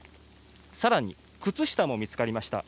更に靴下も見つかりました。